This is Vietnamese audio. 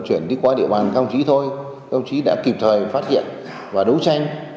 vận chuyển đi qua địa bàn công chí thôi công chí đã kịp thời phát hiện và đấu tranh